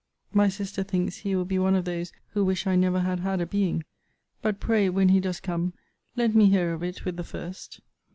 My sister thinks he will be one of those who wish I never had had a being. But pray, when he does come, let me hear of it with the first.